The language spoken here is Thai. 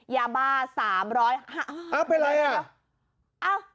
ยาบ้า๓๐๐อ้าวเป็นอะไรอ่ะ